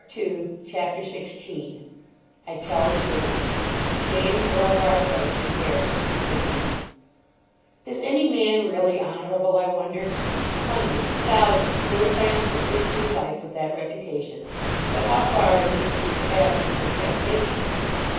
CHAPTER 16 I TELL JULIAN (James Orlebar Cloyster's narrative continued) Is any man really honourable? I wonder. Hundreds, thousands go triumphantly through life with that reputation. But how far is this due to absence of temptation?